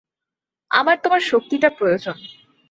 আমার তোমার শক্তিটা প্রয়োজন।